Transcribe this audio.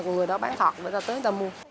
người đó bán thật